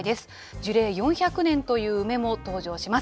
樹齢４００年という梅も登場します。